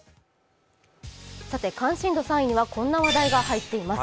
関心度３位にはこんな話題が入っています。